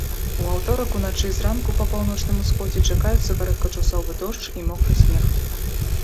У аўторак уначы і зранку па паўночным усходзе чакаюцца кароткачасовы дождж і мокры снег.